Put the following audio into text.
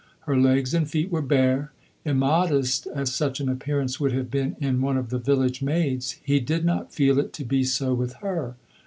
Her legs and feet were bare. Immodest as such an appearance would have been in one of the village maids, he did not feel it to be so with her.